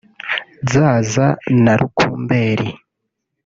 Zaza na Rukumberi